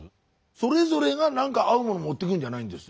それぞれがなんか合うもの持ってくるんじゃないんです。